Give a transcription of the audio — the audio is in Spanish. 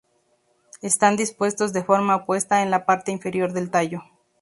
Están dispuestos de forma opuesta en la parte inferior del tallo.